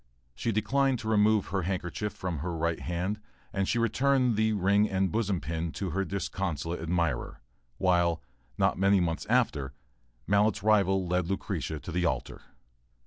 She declined to remove her handkerchief from her right hand and she returned the "ring and bosom pin" to her disconsolate admirer, while, not many months after, Mallett's rival led Lucretia to the altar.